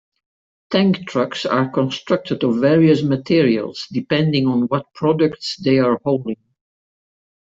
Tank trucks are constructed of various materials depending on what products they are hauling.